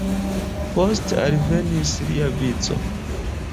Poste alvenis lia vico.